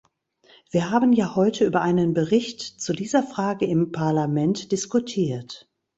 Wir haben ja heute über einen Bericht zu dieser Frage im Parlament diskutiert.